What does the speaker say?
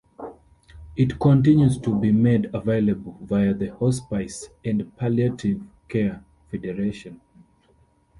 It continues to be made available via the Hospice and Palliative Care Federation.